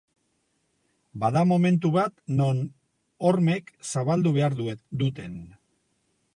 Bada momentu bat non hormek zabaldu behar duten.